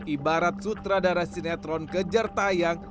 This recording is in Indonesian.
ibarat sutradara sinetron kejar tayang